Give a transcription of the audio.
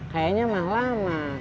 kayaknya mah lama